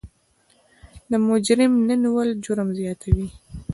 د مجرم نه نیول جرم زیاتوي.